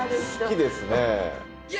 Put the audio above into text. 好きですね。